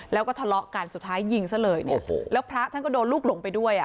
แล้วก็ทะเลาะกันสุดท้ายยิงซะเลยเนี่ยโอ้โหแล้วพระท่านก็โดนลูกหลงไปด้วยอ่ะ